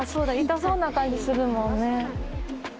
痛そうな感じするもんね。